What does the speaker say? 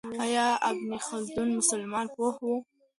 آیا ابن خلدون مسلمان پوه و؟